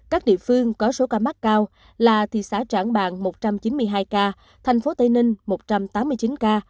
các địa phương có số ca mắc cao là thị xã trảng bàng một trăm chín mươi hai ca thành phố tây ninh một trăm tám mươi chín ca